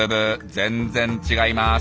全然違います。